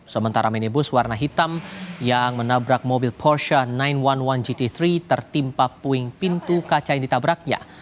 sementara minibus warna hitam yang menabrak mobil korsha sembilan ratus satu gt tiga tertimpa puing pintu kaca yang ditabraknya